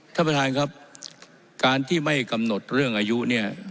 ท่านประธานครับการที่ไม่กำหนดเรื่องอายุเนี่ย